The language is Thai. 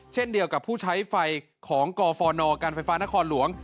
เช่นเดียวกับผู้ใช้ไฟของกฟนการไฟฟ้านครหลวง